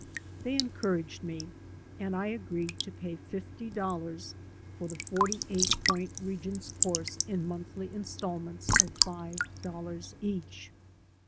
They encouraged me, and I agreed to pay fifty dollars for the forty eight point Regents' course in monthly instalments of five dollars each.